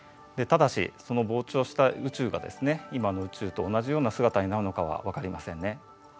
ただしその膨張した宇宙がですね今の宇宙と同じような姿になるのかは分かりませんね。